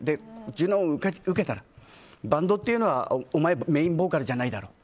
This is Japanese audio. ジュノン受けたらバンドっていうのはメインボーカルじゃないだろ。